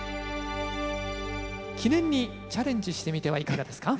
記念にチャレンジしてみてはいかがですか？